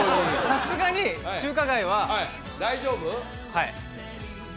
さすがに中華街は大丈夫？